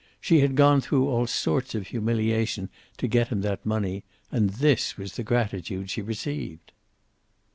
She had gone through all sorts of humiliation to get him that money, and this was the gratitude she received.